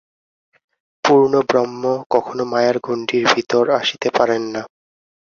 পূর্ণব্রহ্ম কখনও মায়ার গণ্ডির ভিতর আসিতে পারেন না।